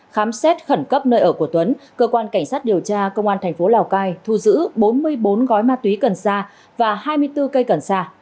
khám xét khẩn cấp nơi ở của tuấn cơ quan cảnh sát điều tra công an thành phố lào cai thu giữ bốn mươi bốn gói ma túy cần sa và hai mươi bốn cây cần sa